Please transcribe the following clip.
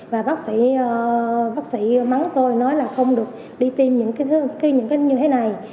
và bác sĩ mắng tôi nói là không được đi tìm những cái như thế này